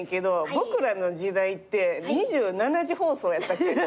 『ボクらの時代』って２７時放送やったっけ？